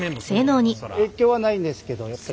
影響はないんですけどやっぱり。